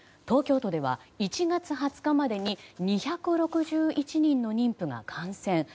東京都では１月２０日までに２６１人の妊婦が感染。